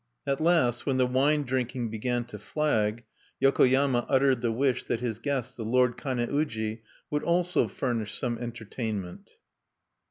At last, when the wine drinking began to flag, Yokoyama uttered the wish that his guest, the lord Kane uji, would also furnish some entertainment(2).